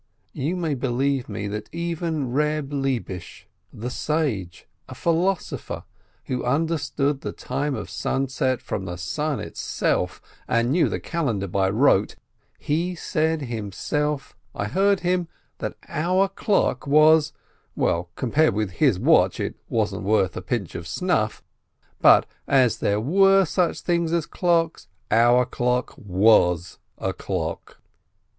You may believe me that even Reb Lebish, the sage, a philosopher, who understood the time of sunset from the sun itself, and knew the calendar by rote, he said himself — I heard him — that our clock was — well, as compared with his watch, it wasn't worth a pinch of snuff, but as there were such things as clocks, our clock was a clock.